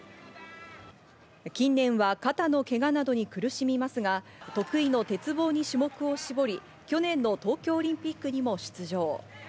近年は肩のけがなどに苦しみますが、得意の鉄棒に種目を絞り去年の東京オリンピックにも出場。